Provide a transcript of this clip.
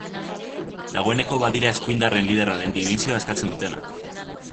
Dagoeneko badira eskuindarren liderraren dimisioa eskatzen dutenak.